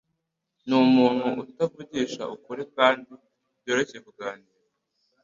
Ni umuntu utavugisha ukuri kandi byoroshye kuganira.